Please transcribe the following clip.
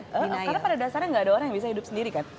karena pada dasarnya gak ada orang yang bisa hidup sendiri kan